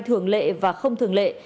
thường lệ và không thường lệ